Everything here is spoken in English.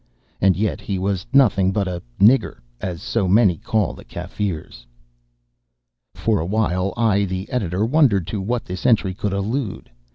And yet he was nothing but a 'nigger,' as so many call the Kaffirs." For a while I, the Editor, wondered to what this entry could allude.